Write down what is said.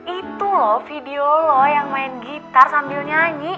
itu loh video loh yang main gitar sambil nyanyi